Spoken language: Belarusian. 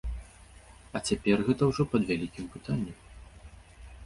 А цяпер гэта ўжо пад вялікім пытаннем.